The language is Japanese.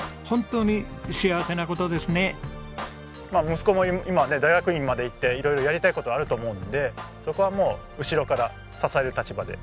息子も今ね大学院まで行って色々やりたい事があると思うのでそこはもう後ろから支える立場で。